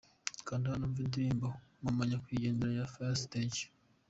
Kanda hano wumve indirimbo Mama Nyakwigendera ya Fire Stage.